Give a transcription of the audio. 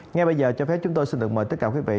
ngay bây giờ cho phép chúng tôi xin được mời tất cả quý vị